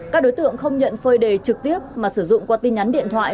các đối tượng không nhận phơi đề trực tiếp mà sử dụng qua tin nhắn điện thoại